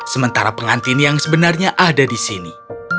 sementara pengantin yang sebenarnya ada di sini